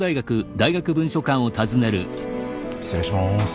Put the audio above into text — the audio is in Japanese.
失礼します。